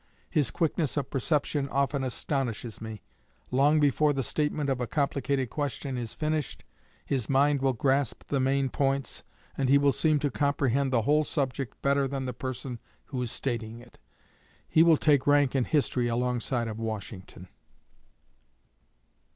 His quickness of perception often astonishes me. Long before the statement of a complicated question is finished, his mind will grasp the main points, and he will seem to comprehend the whole subject better than the person who is stating it. He will take rank in history alongside of Washington."